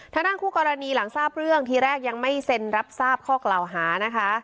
ทางด้านคู่กรณีหลังทราบเรื่องทีแรกยังไม่เซ็นรับทราบข้อกล่าวหานะคะ